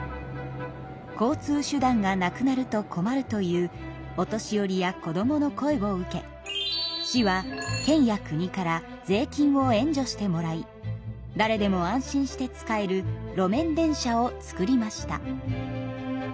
交通手段がなくなると困るというお年寄りや子どもの声を受け市は県や国から税金を援助してもらいだれでも安心して使える路面電車を作りました。